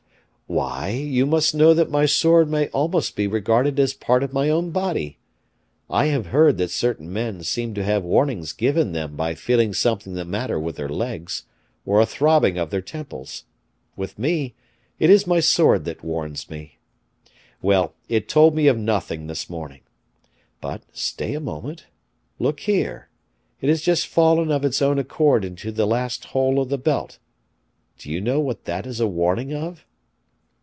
"Why, you must know that my sword may almost be regarded as part of my own body. I have heard that certain men seem to have warnings given them by feeling something the matter with their legs, or a throbbing of their temples. With me, it is my sword that warns me. Well, it told me of nothing this morning. But, stay a moment look here, it has just fallen of its own accord into the last hole of the belt. Do you know what that is a warning of?"